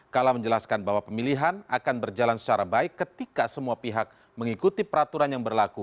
kala menjelaskan bahwa pemilihan akan berjalan secara baik ketika semua pihak mengikuti peraturan yang berlaku